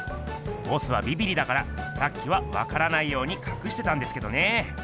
ボスはびびりだからさっきはわからないようにかくしてたんですけどね。